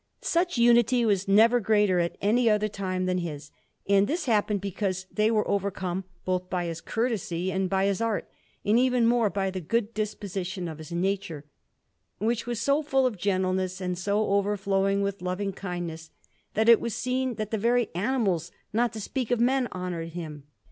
Such unity was never greater at any other time than his; and this happened because they were overcome both by his courtesy and by his art, and even more by the good disposition of his nature, which was so full of gentleness and so overflowing with loving kindness, that it was seen that the very animals, not to speak of men, honoured him.